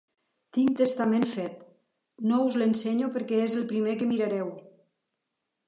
Tinc testament fet, no us l'ensenyo perquè és el primer que mirareu